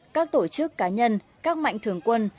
các tổ chức cá nhân các mạnh thường quân